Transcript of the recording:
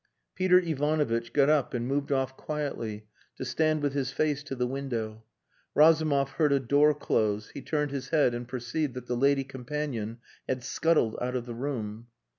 Peter Ivanovitch got up and moved off quietly, to stand with his face to the window. Razumov heard a door close; he turned his head and perceived that the lady companion had scuttled out of the room.